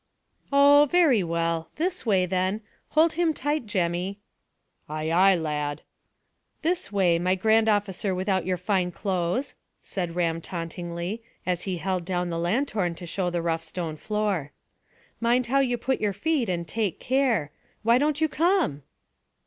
"Oh, very well, this way, then. Hold him tight, Jemmy." "Ay, ay, lad!" "This way, my grand officer without your fine clothes," said Ram tauntingly, as he held down the lanthorn to show the rough stone floor. "Mind how you put your feet, and take care. Why don't you come?"